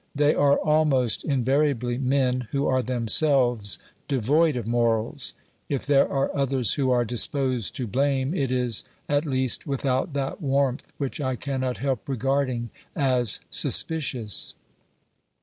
They are almost invariably men who are themselves devoid of morals. If there are others who are disposed to blame, it is at least with out that warmth which I cannot help regarding as suspicious.